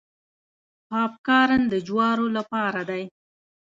پاپ کارن د جوارو څخه دی.